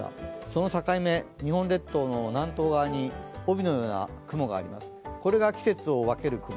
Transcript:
その境目、日本列島の南東側に帯のような雲があります、これが季節を分ける雲。